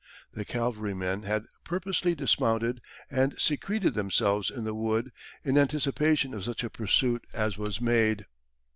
The cavalrymen had purposely dismounted and secreted themselves in the wood in anticipation of such a pursuit as was made.